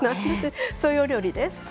そういうお料理です。